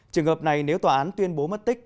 trường hợp này nếu tòa án tuyên bố mất tích